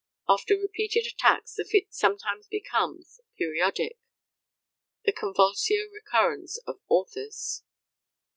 After repeated attacks the fit sometimes becomes periodic (the convulsio recurrens of authors.)"